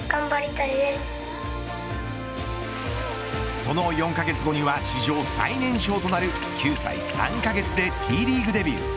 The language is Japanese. その４カ月後には史上最年少となる９歳３カ月でＴリーグデビュー。